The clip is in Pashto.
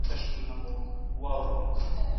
که انلاین تدریس واضح وي، ابهام نه پاته کېږي.